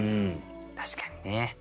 確かにね。